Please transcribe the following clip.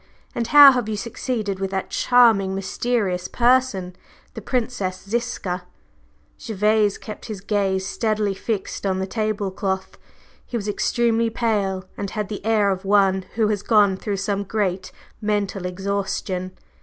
And how have you succeeded with that charming mysterious person, the Princess Ziska?" Gervase kept his gaze steadily fixed on the table cloth. He was extremely pale, and had the air of one who has gone through some great mental exhaustion.